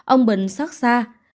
ông bình xót xa